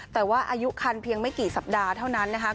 แต่ว่าอายุคันเพียงไม่กี่สัปดาห์เท่านั้นนะคะ